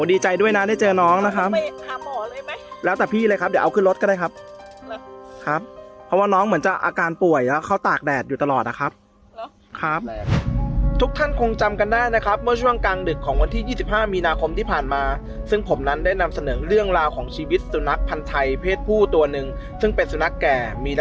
ดีใจด้วยนะได้เจอน้องนะครับไม่หาหมอเลยไหมแล้วแต่พี่เลยครับเดี๋ยวเอาขึ้นรถก็ได้ครับครับเพราะว่าน้องเหมือนจะอาการป่วยแล้วเขาตากแดดอยู่ตลอดนะครับครับทุกท่านคงจำกันได้นะครับเมื่อช่วงกลางดึกของวันที่๒๕มีนาคมที่ผ่านมาซึ่งผมนั้นได้นำเสนอเรื่องราวของชีวิตสุนัขพันธ์ไทยเพศผู้ตัวหนึ่งซึ่งเป็นสุนัขแก่มี